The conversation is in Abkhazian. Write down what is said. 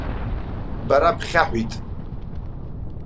Бара бхьаҳәит.